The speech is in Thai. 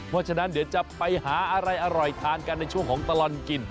เพราะฉะนั้นเดี๋ยวจะไปหาอะไรอร่อยทานกันในช่วงของตลอดกิน